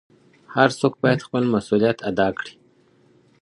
هر څوک بايد خپل مسووليت ادا کړي.